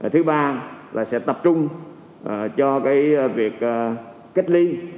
thứ ba là sẽ tập trung cho việc cách ly